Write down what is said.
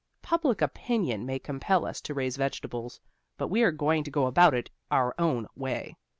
Public opinion may compel us to raise vegetables, but we are going to go about it our own way.